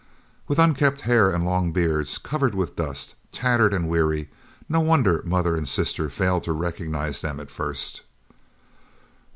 With unkempt hair and long beards, covered with dust, tattered and weary, no wonder mother and sister failed to recognise them at first!